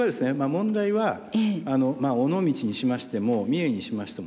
問題は尾道にしましても三重にしましてもですね